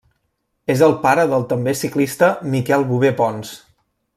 És el pare del també ciclista Miquel Bover Pons.